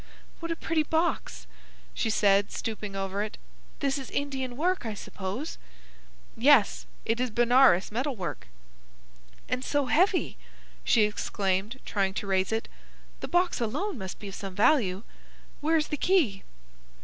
"What a pretty box!" she said, stooping over it. "This is Indian work, I suppose?" "Yes; it is Benares metal work." "And so heavy!" she exclaimed, trying to raise it. "The box alone must be of some value. Where is the key?"